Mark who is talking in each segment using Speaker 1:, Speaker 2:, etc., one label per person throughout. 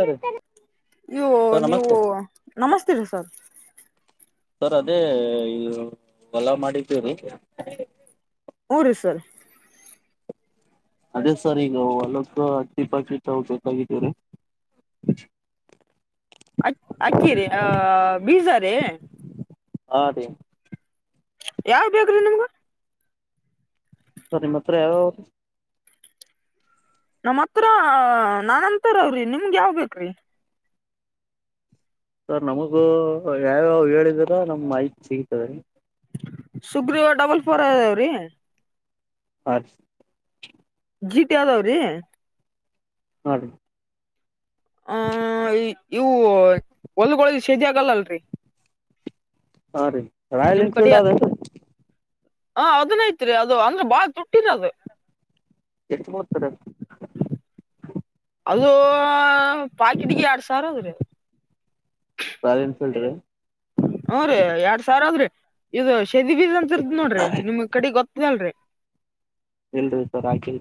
Speaker 1: sir
Speaker 2: ಅಯ್ಯೋ
Speaker 1: sir
Speaker 2: ನೀವು
Speaker 1: ನಮಸ್ತೆ
Speaker 2: ನಮಸ್ತೇರ ಸರ್
Speaker 1: ಸರ್ ಅದೇ ಎಲ್ಲ ಮಾಡಿದ್ದೀರಿ
Speaker 2: ಮೂಊರು ಸರ್
Speaker 1: ಅದೇ ಸರ್ ಈಗ ಅಲ್ಕ್ಕ ಅಪಾಕೆಟ್ ಬೇಕಾಗಿದ್ದೀವ್ರೀ
Speaker 2: ಅ ಅಕ್ಕಿ ರ ಆ ಬೀಜಾರೆೇ
Speaker 1: ಹಾ ರೀ
Speaker 2: ಯಾವ ಬೇಕ್ರೀ ನಿಮ್ಗ
Speaker 1: ಸರಿ ನಿಮ್ಮ ಹತ್ರ ಯಾವಾವರು
Speaker 2: ನಮ್ಮ್ ಹತ್ರ ನಾನಂತರ ಅವ್ರಿ ನಿಮ್ಗೆ ಯಾವ್ ಬೇಕ್ರಿ
Speaker 1: ಸರ್ ನಮಗೂ ಯಾವ್ಯಾವ ಹೇಳಿದರ ನಮ್ ಮಾಹಿತಿ ಸಿಗತದೆ ರೀ
Speaker 2: ಸುಗ್ರೀವ ಡಬಲ್ ಫೋರ್ ಅದಾವ್ರೀ
Speaker 1: ಹ
Speaker 2: ಜೀಟ ಯಾದಾವ್ರೀ
Speaker 1: ಹೀ
Speaker 2: ಆ ಇವು ಹೊಲ್ಗಳ ಸಜಿ ಆಗಲ್ಲ ಅಲ್ರಿ
Speaker 1: ಹಾ ರೀ ರಾಯಲ್ ಎನ್ಫೀಲ್ಡ್ ಆದೀ
Speaker 2: ಹ ಅದನ್ ಐತ್ರಿ ಅದು ಅಂದ್ರೆ ಬಾಳ ತುಟ್ಟಿನ ಅದು
Speaker 1: ಹ
Speaker 2: ಅಲೋ ಪಾಕಿಟಿಗೆ ಆರಡು ಸಾವಿರೋಗರ
Speaker 1: ರಾಯಲ್ ಎನ್ಫೀಲ್ಡ್ ರ
Speaker 2: ಸರ್ ಆದ್ರೆ ಇದು ಶದ ಬೀದ ಅಂತರ್ದ್ ನೋಡ್ರಿ ನಿಮ್ ಕಡೆ ಗೊತ್ತದಲ್ರರಿ
Speaker 1: ಇಲ್ ಸರ್ ಹಾಕಲ್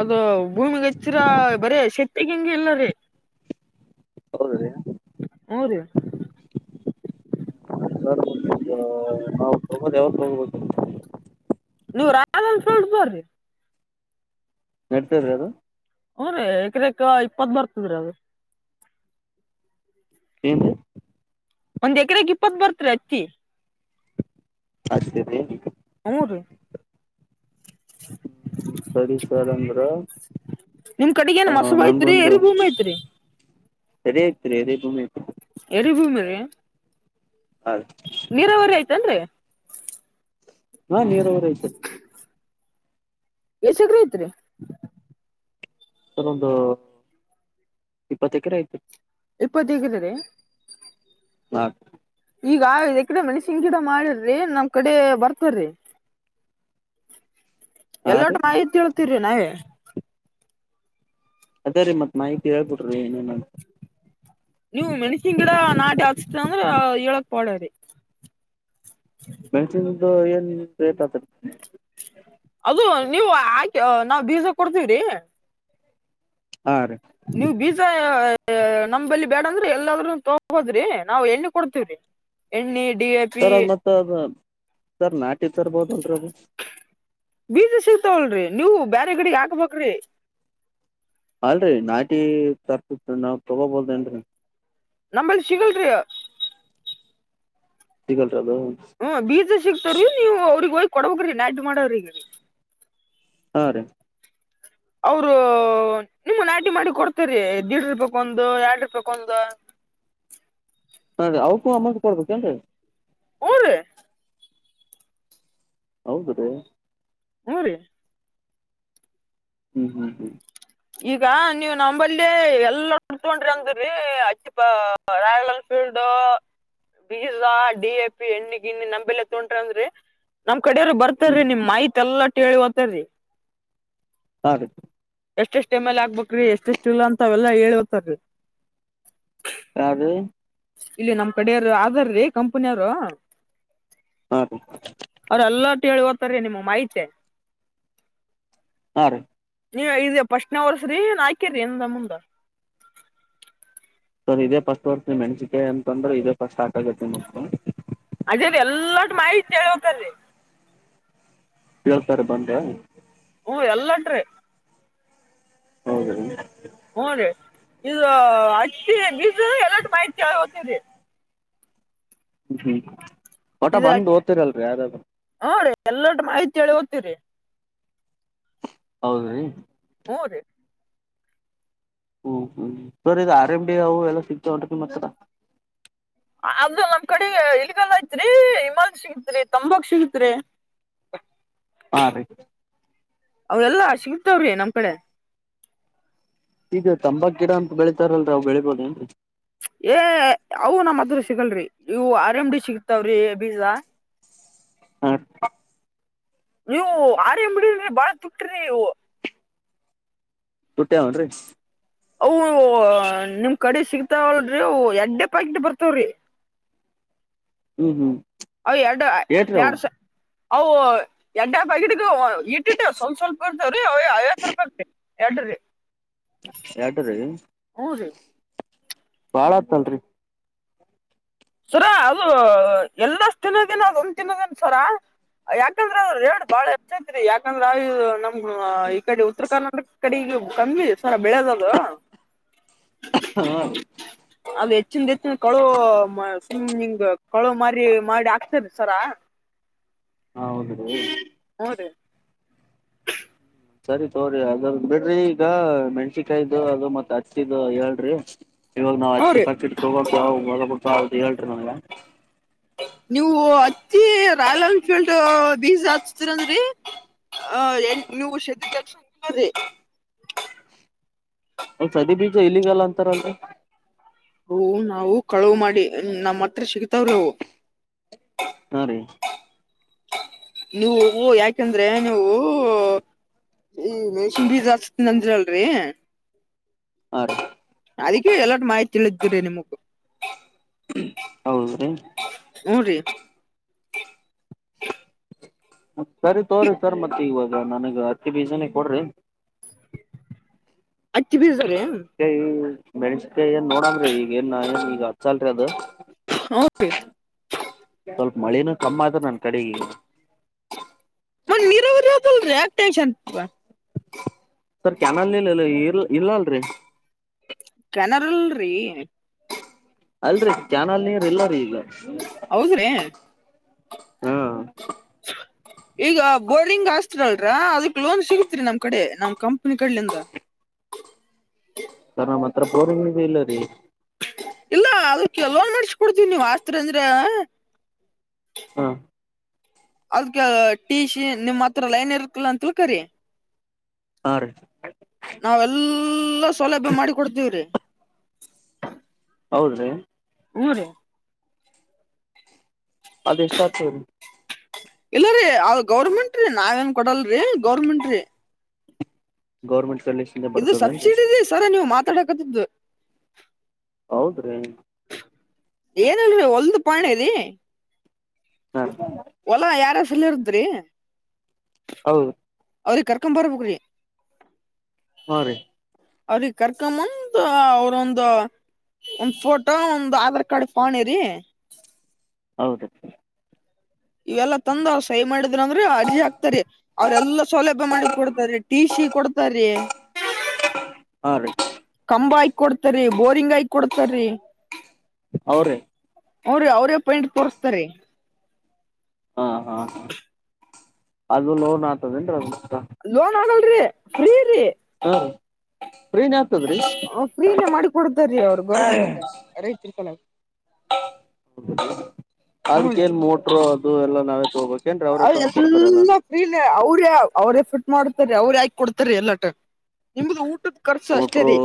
Speaker 2: ಅದು ಭೂಮಿ ಹೆಚ್ಚಿರ ಬರೇ ಶತಿ ತಗಿಂಗೆ ಎಲ್ಲರಿ
Speaker 1: ಹೌದ ರೀ
Speaker 2: ರೀ
Speaker 1: ಸರ್ ನಾವು ಹೋಗೋದು ಯಾವತ್ತು ತೋಗಬೇಕು
Speaker 2: ನೀವು ರ ಸಟ್ ಬ್ರಿ
Speaker 1: ನೆಡ್ತರ ಯಾರು
Speaker 2: ಹ್ ರೀ ಏಕದೇಕ ಇಪ್ಪತ್ ಬರ್ತದ್ರೀ ಅದು
Speaker 1: ಇನ್ನು
Speaker 2: ಒಂದ್ ಎಕರೆಗೆ ಇಪ್ಪತ್ ಬರ್ತ್ ಅತಿಿ
Speaker 1: ಅಷ್ಟೇ
Speaker 2: ಹ ರೀ
Speaker 1: ಹ್ಮ್ ಸರಿ ಸರ್ ಅಂದ್ರ
Speaker 2: ನಿಮ್ ಕಡೆಗ ಏನ್
Speaker 1: ಆ
Speaker 2: ಮಸಬ ಐತ್ರಿ
Speaker 1: ನಂಗಗೊಂದು
Speaker 2: ಎರಿ ಭೂಮಿ ಐತ್ರಿ
Speaker 1: ಸರಿ ಆಯ್ತರಿ ಅದೇ ಭೂಮಿ ಆತರಿ
Speaker 2: ಮರಿಭೂಮಿ ರ ನೀರಾವರಿ ಆಯ್ತು ಚನ್
Speaker 1: ಹಾ ನೀರ ಊರಐ್ತ
Speaker 2: ಎ ಚಗ್ರ ಐತ್ರಿ
Speaker 1: ಸಲೊಂದು ಇಪ್ಪತ್ ಎಕರೆ ಆಯ್ತು
Speaker 2: ಇಪ್ಪತ್ತು ಹೇಗೀ
Speaker 1: ಹಾ
Speaker 2: ಈಗ ಆ ಕಡೆ ಮನಸಿನ್ ಗಿಡ ಮಾಡಿರ್ರಿ ನಮ್ಮ್ ಕಡೆ ಬರ್ತಾರ್ರಿ
Speaker 1: ಹಾ
Speaker 2: ಎಲ್ಲ
Speaker 1: ರೀ
Speaker 2: ಒಟ್ಟು ಮಾಹಿತಿ ತಿರ ನಾವೇ
Speaker 1: ಅದೇ ರೀ ಮತ್ ಮಾಹಿತಿ ಹೇಳ್ಬಿಡ್ರಿ ಏನೇನ
Speaker 2: ನೀವು ಮೆಣಸಿನ್ ಗಿಡ ನಾಟಿ ಹಾಕ್ಸತ ಅಂದ್ರ ಳಕ್ ಪಡರಿ
Speaker 1: ಇದು ಏನ್ ಏತ ಆತ
Speaker 2: ಅದು ನೀವು ಆಾಕೆ ನಾವವು ಬೀಜ ಕೊಡ್ತೀವ್ರಿ
Speaker 1: ಆ
Speaker 2: ನಮಲ್ಲಿ ಬೇಡ ಅಂದ್ರೆ ಎಲ್ಲಾದ್ರೂ ತೋದ್ರಿ ನಾವವು ಎಣ್ಣೆ ಕೊಡ್ತೇವ್ರಿ ಎಣ್ಣಿ
Speaker 1: ಸರ್ ಅದ ಮತ್ತ ಅದ ಸರ್ ನಾಟಿ ತರ್ಬೋದಲ್ರದು
Speaker 2: ಬೀಜ ಸಿಗ್ತಾವಲ್ರರಿ ನೀವು ಬೇರೆ ಗಡಿಗೆ ಹಾಕ್ಬೇಕ್ರಿ
Speaker 1: ಅಲ್ರರಿ ನಾಟಿ ತರ್ಪ ನಾವ್ ತೊಗೋಬೋದ ನ್ರಿ
Speaker 2: ನಮ್ಮಲ್ಲಿ ಸಿಗಲ್ರಿ
Speaker 1: ಸಿಗಲ್
Speaker 2: ಹ ಬೀಜ ಸಿಕ್ತಾರೀ ನೀವು ಅವ್ರಗ್ ಹ ಕೊಡಬೋಗ್ರಿ ನಾಟಿ ಮಾಡೋರಿಗೆ
Speaker 1: ಹಾ ರೀ
Speaker 2: ಅವರು ನಿಮ್ಮ ನಾಟಿ ಮಾಡಿ ಕೊಡ್ತರಿ ದಿಡ್ ಇರ್ಬೇಕ ಒಂದು ಎಡ್ ಇರ್ಬೇಕ ಒಂದು
Speaker 1: ಹಾ ರೀ ಅವಕ್ಕೂ ಅಮೌಂಟ್ ಕೊಡಬೇಕು ಏನ್ರೀ
Speaker 2: ಹು ರಿ
Speaker 1: ಹೌದದೇ
Speaker 2: ಹಊ ರೀ
Speaker 1: ಹ್ಮ್ ಹ್ಮ್ ಹ್ಮ್
Speaker 2: ಈಗ ನೀವ್ ನಂಬಲ್ಲಿ ಎಲ್ಲ ತೊಡ್ರಿ ಅಂದ್ರಿ ಅಚ್ಚಿಪ ರಾಯಲ್ ಎನ್ಫೀಲ್ಡ್ ಬೀದ ಡಿ ಎ ಪಿ ಎಣ್ಣಿ ಗಿಣ್ಣಿ ನಂಬಲ್ಲಿ ತೋೊಂಡ್ರಿ ಅಂದ್ರಿ ನಮ ಕಡೆಯವರು
Speaker 1: ಹ್ಮ್
Speaker 2: ಬರ್ತಾರೀ ನಿಮ್ ಮಾೈತ್ ಎಲ್ಲ ಟೇಳಿ ಹೊಂತಾರೀ
Speaker 1: ಹಾಗುತ್ತೆ
Speaker 2: ಎಷ್ಟೆಷ್ಟ್ ಎಟಮ್ ಎಲ್ ಆಗ್ಬೇಕಕ್್ರಿ ಎಷ್ಟೆಷ್ಟ ಇಲ್ಲ ಅಂತ ಅವೆಲ್ಲಾ ಹೇಳತಾರೀ
Speaker 1: ಯಾರ
Speaker 2: ಇಲ್ಲಿ ನಮ್ ಕಡೆಯರು ಅಾರ್ರೀ ಕಂಪನಿಯರು
Speaker 1: ಹಾ ರ
Speaker 2: ುವತ್ತಗೆ ನಿಮ್ಮ ಮಾಹತಿ
Speaker 1: ಹಾ ರೀ
Speaker 2: ನೀ ಇದ ಪಶನ ಅವರಸ್ರೀ ನಾಯ್ಕೇ ರೀ ಎಂದ ಮುಂದ
Speaker 1: ಸರ್ ಇದೇ ಫಸ್ಟ್ ಓಡ್ತನಿ ಮೆಣಸಿಕೆ ಅಂತಂದ್ರೆ ಇದೇ ಫಸ್ಟ್ ಹಾಕಗತ್ತತಿ ಮು
Speaker 2: ಅಜೇದ ಎಲ್ಲಾು ಮಾಹಿತಿ ಹೇಳ್ ಹತಲ್ರಿ
Speaker 1: ಹೇಳ್ತಾರೆ ಬಂದ್ರ
Speaker 2: ಹೂ ಎಲ್ಲನ್್ರರಿ
Speaker 1: ಹೌದ
Speaker 2: ಹ ಅದ ಇದು ಅಷ್ಟಿ ಬಜ ಎಲ್ಲ ಮಾಹಿತಿ ಹತರಿ
Speaker 1: ಿ
Speaker 2: ಇದ ನೋ ರೀ ಎಲ್ಲರ ಮಾಹಿತಿ ಹೇಳಿ ತರಿ
Speaker 1: ಹೌದ
Speaker 2: ಹೋದರಿ
Speaker 1: ಹ್ಮ್ ಹ್ಮ್ sir E R M D ಅವು ಎಲ್ಲ ಸಿಗ್ತಾವ ಹೊಂಟ ನಿಮ್ಮ್ ಹತ್ರರ
Speaker 2: ಅದ ನಮ್ ಕಡೆ ಇಲ್ಗಲ್ಲ ಐತ್ರಿ ಹಿಮಾಲ ಸಿಗತ್ರಿ ತಂಬಕ್ ಸಿಗತ್ರಿ
Speaker 1: ಹಾ ರೀ
Speaker 2: ಅವ ಎಲ್ಲಾ ಸಿಗತವ್ರಿ ನಮ್ ಕಡೆ
Speaker 1: ಇಗ ತಂಬಾ ಗಿಡ ಅಂತ ಬೆಳಿತಾರಲ್ರಿ ಅ ಅವವು ಬೆಳಿಬೋದೇ
Speaker 2: ಏ ಅವು ನಮ್ಮ್ದ್ರ ಸಿಗಲ್ರಿ ಇವು ಆರ್ ಎಮ್ ಡಿ ಸಿಗತಾವ್ರಿ ಬೀಜ
Speaker 1: ಹ್ಮ
Speaker 2: ನೀವು ಆರಂಬಿಡಿ ಬಾಳ ತುಟ್ರಿ ನೀವು
Speaker 1: ುಟ್ಟಿವನ್ರಿ
Speaker 2: ಅವು ನಿಮ್ ಕಡೆ ಸಿಗ್ತಾವಲ್ರರಿ ಅ ಎರಡ್ಡೆೇ ಪ್ಯಾಕೆಟ್ ಬರ್ತವ್ರಿ
Speaker 1: ಹ್ಮ್ ಹ್ಮ್
Speaker 2: ಅ ಎರಡು
Speaker 1: ಏಟ್ರಿ ಅವು
Speaker 2: ಎರಡು ಸ ಅವು ಎಡ್ಯಾ ಬಗಿಡ್ಗ ಇಟ್ಟಿಟ್ಟ ಸ್ವಲ್ಪ ಸ್ವಲ್ಪ ಬರ್ತವ್ರೀ ಐವತ್ತ ರೂಪಾಯಿಗೆ ಎರಡ್ರ
Speaker 1: ಸೆಡ್ ರಿ ಭಾಳ ಆತಲ್ರಿ
Speaker 2: ಸರ ಅದು ಎಲ್ಲಷ್ಟ ದಿನದಿನ ಅದ ಒಂದ್ ದಿನದನ್ ಸರ ಯಾಕಂದ್ರೆ ಅ ರೇಡ್ ಬಾಳ ಹೆಚ್ಚಐತ್ರಿ ಯಾಕಂದ್ರ ನಮ ಹ್ಮ ಈ ಕಡೆ ಉತ್ತರ ಕರ್ನಾಟಕದ ಕಡೆಗ ಕಮ್ಮಿ ಸರ ಬೆಳೆದ ಅದ
Speaker 1: ಹಾ
Speaker 2: ಅದು ಹೆಚ್ಚಿನ ಹೆಚ್ಚಿನ ಕಳು ಹ್ಮ್ ಹಿಂಗ್ ಕೊಳ ಮಾರಿ ಮಾಡಿ ಆಕ್ತಾರ ಸರ
Speaker 1: ಹ ಹೌದ ರೀ
Speaker 2: ಹ್ಞೂ ರೀ
Speaker 1: ಸರಿ ತೋ್ರಿ ಅದರ್ದ್ ಬಿಡ್ರಿ ಈಗ ಮೆಣಸಿಿಕಾಯ್ದು ಅದು ಮತ್ತ ಹತ್ತಿದು ಹೇಳ್ರಿ ಇವಾಗ ನಾವ ಅಕ್ಕಿ
Speaker 2: ಹೌರಿ
Speaker 1: ಪ್ಯಾಕೆಟ್ ತಗೊಂಡ್ ಒಳಗ್ ಹೌದೇಳ್
Speaker 2: ನೀವು ತಿ ರಾಯಲ್ ಎನ್ಫೀಲ್ಡ್ ಬೀಜ ಹಾಚ್ತೀರಂದ್ರರಿ ಅಹ ನೀವು ಶ ತಿ
Speaker 1: ಸದಿ ಬೀಜ ಇ ಇಲ್ ಲೀಗಲ್ ಅಂತಾರಲ್
Speaker 2: ಅವು ನಾವು ಕಳವು ಮಾಡಿ ನಮ್ಮ್ ಹತ್ರ ಸಿಗ್ತಾವ್ರಿ ಅವು
Speaker 1: ಹಾ ರೀ
Speaker 2: ನೀವು ಯಾಕಂದ್ರೆ ನೀವು ಈ ಮೇಸಿಂಬಿ ಬೀಜ ಹಾಕಸ್ತೇನಿ ಅಂದರಲ್ರರಿ
Speaker 1: ಹಾ ರಿ
Speaker 2: ಅದಕ್ಕೆ ಎಲ್ಲ ಮಾಹಿತಿ ತಿಳಿಸಿದೆ ರಿ ನಿಮಗ
Speaker 1: ಹೌದ್ರೀ ಹ ಸರಿ ತೋರಿ್ರರಿ ಸರ್ ಮತ್ತೆ ಇವಾಗ ಈಗ ನನಗ ಹತ್ತಿ ಬೀಜನ ಕೊಡ್ರಿ
Speaker 2: ಹತ್ತಿ ಬೀಜ ರೀ
Speaker 1: ಹ ಬೇ ಮತ್ತೆ ಏನ್ ನೋಡಮ್ರಿ ಈಗ ಏನ್ ಏನ್ ಈಗ ಹಚ್ಚಲ್ರಿ ಅದು
Speaker 2: ಹೂನ್ರಿ
Speaker 1: ಸ್ವಲ್ಪ ಮಳೆನು ಕಮ್ಮ್ ಆದ್ರ ನನ್ ಕಡಿಗಿ
Speaker 2: ಮ ನೀರಾವರಿ ಆತಲ್ರಿ ಯಾಕ ಟೆನ್ಷನ್ವಾ
Speaker 1: ಸರ್ ಕೆನಲ್ ನೀರ್ ಇರ್ ಇರ್ಲ ಅಲ್ರಿ
Speaker 2: ಕೆನಾಲ್ರಿ
Speaker 1: ಅಲ್ರರಿ ಕ್ಯಾನಲ್ ನೀರ್ ಇಲ್ಲ ರೀ ಈಗ
Speaker 2: ಹೌದ್ರಿ
Speaker 1: ಹ್ಮ ಹ್ಮ
Speaker 2: ಈಗ ಬೋರಿಂಗ್ ಆಸ್ತಿ ಅಲ್ರ ಅದಕ್ ಲೋನ್ ಸಿಗತ್ರಿ ನಮ್ ಕಡೆ ನಮ ಕಂಪನಿ ಕಡ್ಲಿಂದ
Speaker 1: ಸ ನಮ್ಮ್ ಹತ್ರ ಬೋರಿಂಗ್ ಇ ಇಲ್ಲ ರೀ
Speaker 2: ಇಲ್ಲ ಅದ ಕೆಲವೊ ನಡ್ಸಕೊಡ್ತೀವಿ ನೀವ್ ಆಸ್ತತ್ರ ಅಂದ್ರೆ
Speaker 1: ಹಾ
Speaker 2: ಅದ್ಕ ಟಿ ಸಿ ನಿಮ್ ಹತ್ರ ಲೈನ್ ಇರ್ತ್ತಿಲ್ಲ ಅಂತ ಕರಿ
Speaker 1: ಆ
Speaker 2: ಎಲ್ಲ ಸೌಲಭ್ಯ ಮಾಡಿಿ ಕೊಡ್ತೀವ್ರಿ
Speaker 1: ಹೌದ್ರೀ
Speaker 2: ಹು ರಿ
Speaker 1: ಅದೆ ಎಷ್ಟ ಆತರಿ
Speaker 2: ಇಲ್ಲರೀ ಅ ಗೌರ್ಮೆಂಟ್್ರೀ ನಾವೇನ್ ಕೊಡಲ್ರರಿ ಗೌರ್ಮೆಂಟ್್ರೀ
Speaker 1: ಗೌರ್ಮೆಂಟ್ ಕಲೆಕ್ಷನ್
Speaker 2: ಇದು
Speaker 1: ಬರ್ತದೇನ್ರಿ
Speaker 2: ಸಬ್ಸಿಡಿ ಸರ್ ನೀವು ಮಾತಾಡ ್
Speaker 1: ಹೌದ್ರೀ
Speaker 2: ಏನಲ್ರರಿ ಒಂದು ಪಾಣೀ
Speaker 1: ಹಾ
Speaker 2: ಒಲಾ ಯಾರ ಲದ್ರಿ
Speaker 1: ಹೌದು
Speaker 2: ಅವ್ರಿ ಕರ್ಕೊ ಬರ್ಬಕ್
Speaker 1: ಹಾ ರೀ
Speaker 2: ಅವ್ರಿಗೆ ಕರ್ಕಮ್ಮಂದು ಅವ್ರೊಂದು ಒಂದ್ ಫೋಟೋ ಒಂದು್ ಆಧಾರ್ ಕಾರ್ಡ್ ಪಾಣಿರಿ
Speaker 1: ಹೌದು
Speaker 2: ಇವೆಲ್ಲಾ ತಂದು ಅವ್ ಸಹ ಮಾಡಿದ ದ್ರೆ ಅರ್ಜಿ ಹಾಕ್ತಾರಿ ಅವ್ರೆಲ್ಲಾ ಸೌಲಭ್ಯ ಮಾಡಕ್ ಕೊಡ್ತಾರ ಟಿ ಸಿ ಕೊಡ್ತಾರೀ
Speaker 1: ಹಾ ರೀ
Speaker 2: ಕಂಬ ಆ ಕೊಡ್ತಾರ್ರೀ ಬೋರಿಂಗ್ ಆ ಕೊಡ್ತಾರೀ
Speaker 1: ಹ ರೀ
Speaker 2: ಅವ್ರ ಅವ್ರೇ ಅ ಪಾಯಿಂಟ್ ತೋರ್ಸ್ತಾರೆ
Speaker 1: ಹಾ ಹಾ ಹ ಅದು ಲೋನ್ ಆತದೇನ್ರ ಅದು
Speaker 2: ಲೋನ್ ಆಗಲ್ರಿ ಫ್ರೀರಿ
Speaker 1: ಹಾ ರೀ ಫ್ರೀನೇ ಆಗ್ತದ್ರಿ
Speaker 2: ಹ ಕ್ರೀನ ಮಾಡಿ ಕೊಡತಾರೀ ಅವ್ರು ಗರಿ ಮುಂದ ರೈತನ್ ಸಲ ಹ
Speaker 1: ಹ್ಮ ಅದಕ್ಕ ಏನ್ ಮೋಟ್ರೋ ಅದು ಎಲ್ಲಾ ನಾವೇತ್ ಹೋಗ್ಬೇಕ ಏನ್ ಅವ್ರೇ
Speaker 2: ಅವ
Speaker 1: ತಂದ ಕೊಡ್ತಾರ ಎಲ್ಲಾನ
Speaker 2: ಎಲ್ಲಾ ಅವ್ರು ಹಾಕಿ ಕೊಡ್ತಾರೆ ಎಲ್ಲಾಟ ನಿಮ್ದ ಊಟ ಊಟದ ಖರ್ಚು ಅಷ್ಟೇ
Speaker 1: ಮೋಟ್ರು
Speaker 2: ರೀ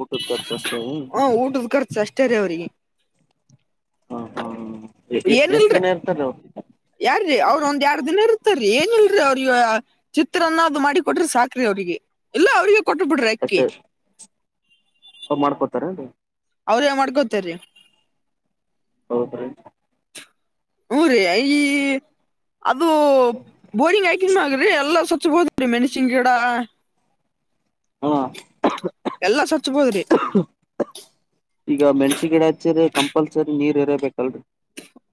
Speaker 1: ಊಟದ ಖರ್ಚು ಅಷ್ಟೇ
Speaker 2: ಹ ಊಟದ ಖರ್ಚು ಅಷ್ಟೇ ಷ್ಟರಿ ಅವರಿಗೆರಿಗೆ
Speaker 1: ಹಾ ಹಾ ಹ ಎಷ್ಟ್ ಎಷ್ಟು ಜನ ಇರ್ತಾರ
Speaker 2: ಯಾರ್ರೀ ಅವ್ರ ಒಂದ್ ಎರಡ್ ದಿನ ಇರ್ತಾರ ಏನ್ ಇಲ್ರಿ ಅವ್ರಗ ಚಿತ್ರನ್ನ ಅದು ಮಾಡಿ ಕೊಟ್ರಿ ಸಾಕ್ರಿ ಅವ್ರಿಗೆ ಇಲ್ಲ ಅವ್ರಿಗೆ ಕೊಟ್ಟು ಬಿಡ್ರ ಅಕ್ಕಿ
Speaker 1: ಅವ್ರ್ ಮಾಡ್ಕೊತಾರೆನ್ರಿ
Speaker 2: ಅವರೆ ಮಾಡ್ಕೋತಾರೆ
Speaker 1: ಹೌದ್ರೀ
Speaker 2: ಊರೇ ಅಯ್ಯಿ ಅದು ಬೋರಿಂಗ್ ಹಾಕಿಂದಾಗ್ರೀ ಎಲ್ಲ ಸ್ವ ಚುಬೋದು ಮೆಣಸಿನ ಗಿಡ
Speaker 1: ಹಾ
Speaker 2: ಎಲ್ಲಾ ಸ್ವಚ್ಛಬೋದ್ರಿ
Speaker 1: ಈಗ ಮೆಣಸಿ ಗಿಡೆ ಹಚ್ಚಿದ್ರೆ ಕಂ ಕಂಪಲ್ಸರಿ ನೀರ್ ಇರಬೇಕಲ್ರಿ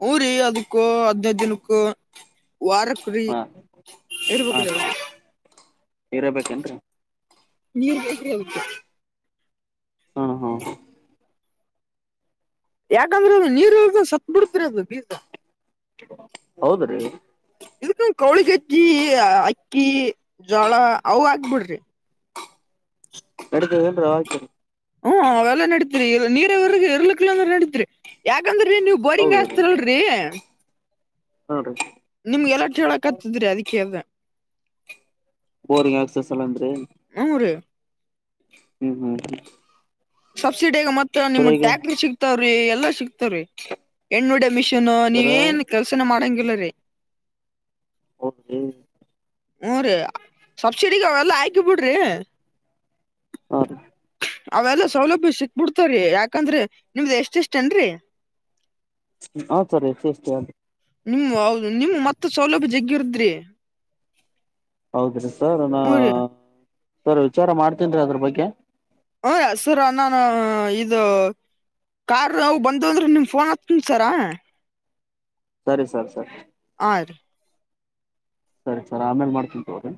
Speaker 2: ಊರಿ ಅದಕ್ಕೂ ಹದನೈದು ದಿನಕ್ಕೂ ವಾರಕ್ಕರಿ
Speaker 1: ಹಾ
Speaker 2: ಹೇರ್
Speaker 1: ಹಾ
Speaker 2: ಬೇಕ್ರಿ
Speaker 1: ಇರಬೇಕೇನ್ರಿ
Speaker 2: ನೀರ್ ಬೇಕರಿ ಅವಕ
Speaker 1: ಹಾ ಹಾ
Speaker 2: ಯಾಕಂದ್ರೆ ಅದು ನೀರು ಉಳಿದ್ರೆ ಸತ್ ಬಿಡುತ್ತಿರಿ ಬೀಜ
Speaker 1: ಹೌದ್ ರೀ
Speaker 2: ಇದಕ್ಕ ಕೌಳಿಗಜ್ಜಿ ಅಕ್ಕಿ ಜೋಳ ಅವ ಹಾಕ್ ಬಿಡ್ರಿ
Speaker 1: ಎಡತ ಏ ಹಾಕಿ
Speaker 2: ಹ್ಮ್ ಅವೆಲ್ಲ ನಡೀತಿೀರಿ ನೀರವರ್ ಎರರ್ಲ ಕಲೋ ಅಂದ್ರೆ ನಡಿತತಿರಿ ಯಾಕ ಯಾಕಂದ್ರ ನೀವು ಬೋರಿಂಗ್
Speaker 1: ಹೌದ್ರಿ
Speaker 2: ಹಸ್ತೀರಲ್ರರಿ
Speaker 1: ಹಾ ರೀ
Speaker 2: ನಿಮ್ಗೆಲ್ಲ ಹೇಳಕತಿದರಿ ಅದಿ ಹ ಹೇಳ್ದ
Speaker 1: ಬೋರಿಂಗ್ ಆಕ್ಸಸ್ ಎಲ್ಲಾ
Speaker 2: ಹ್ಮ ರೀ
Speaker 1: ಹ್ಮ್ ಹ್ಮ್ ಹ್ಮ
Speaker 2: ಸ ಸಿಡಿಗ ಮತ್ತೆ ನಿಮ್ ಟ್ಯಾಕ್ ಸಿಕ್ತಾವ್ರೀ ಎಲ್ಲಾ ಸಿಕ್ತವ ಹೆಣ್ಣುಡೆನಿಸ್
Speaker 1: ಸರ
Speaker 2: ನೀವ ಏನ್ ಕೆಲ್ಸನ ಮಾಡಂಗಿಲ್ಲಾ ಇಲ್ರಿ
Speaker 1: ಹ
Speaker 2: ಊರಿ ಸಬ್ಸಿಡಗ ಅವೆಲ್ಲಾ ಹಾಕಿವ ಬಿಡ್ರಿ
Speaker 1: ಹಾ
Speaker 2: ಅವೆಲ್ಲಾ ಸೌಲಭ್ಯ ಸಿಕ್ಬಿಡ್ತಾರ್ರಿ ಯಾಕಂದ್ರೆ ನಿಮ್ದ್ ಎಷ್ಟ ಇಷ್ಟ ಎನ್ರಿ
Speaker 1: ಹ ಸರಿ ಸೇಷ್ಟೇ ಅದ
Speaker 2: ನಿಮ ನಿಮ್ಮ ಮತ್ತೆ ಸೌಲಭ್ಯ ಜಗ್ಗಿರದ್ರಿ
Speaker 1: ಹೌದ್ರಿ ಸರ್ ನಾ
Speaker 2: ಹ್ಞೂ ರೀ
Speaker 1: ಸರ್ ವಿಚಾರ ಮಾಡತ್ತೀದೆ ಅದ್ರ ಬಗ್ಗೆ
Speaker 2: ಹ ಸರ ನಾನ ಇದು ಕಾರ್ ಅವವು ಬಂದ ಅಂದ್ರೆ ನಿಮ್ ಫೋನ್ ಹತನಿ ಸರ
Speaker 1: ಸರಿ ಸರ್ ಸರಿ
Speaker 2: ಹಾಂ
Speaker 1: ಸರಿ ಸರ್ ಆಮೇಲೆ ಮಾಡ್ತೀನ್ ತಗ್ರಿ